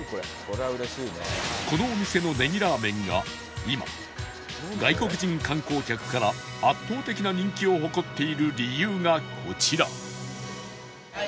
このお店のネギラーメンが今外国人観光客から圧倒的な人気を誇っている理由がこちら